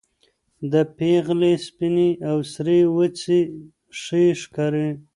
د پېغلې سپينې او سرې وڅې ښې ښکاري